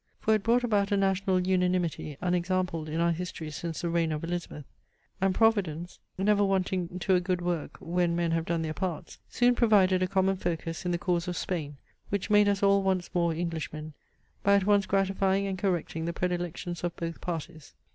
For it brought about a national unanimity unexampled in our history since the reign of Elizabeth; and Providence, never wanting to a good work when men have done their parts, soon provided a common focus in the cause of Spain, which made us all once more Englishmen by at once gratifying and correcting the predilections of both parties.